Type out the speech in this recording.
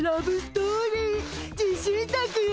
自信作よ。